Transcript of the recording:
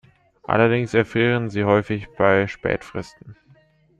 Allerdings erfrieren sie häufig bei Spätfrösten.